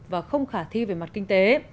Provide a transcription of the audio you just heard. và không khả thi về mặt kinh tế